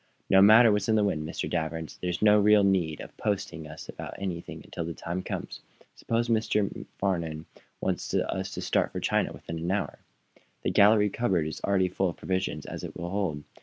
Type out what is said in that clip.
"No matter what is in the wind, Mr. Danvers, there's no real need of posting us about anything until the time comes. Suppose Mr. Farnum wants us to start for China within an hour? The galley cupboard is already as full of provisions as it will hold.